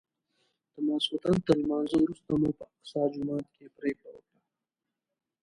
د ماسختن تر لمانځه وروسته مو په اقصی جومات کې پرېکړه وکړه.